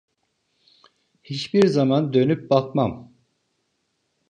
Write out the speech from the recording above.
Hiçbir zaman dönüp bakmam…